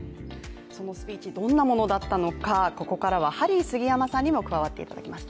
そのスピーチ、どんなものだったのかここからはハリー杉山さんにも加わっていただきます。